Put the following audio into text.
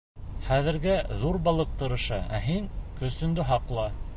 Хәҙергә ҙур балыҡ тырыша, ә һин көсөңдө һаҡла.